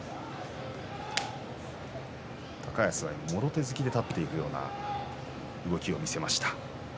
高安はもろ手突きで立っていくような動きを見せました。